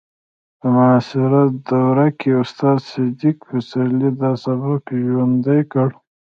په معاصره دوره کې استاد صدیق پسرلي دا سبک ژوندی کړ